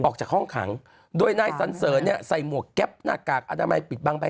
ออกจากห้องขังโดยนายสันเสริญเนี่ยใส่หมวกแก๊ปหน้ากากอนามัยปิดบังใบ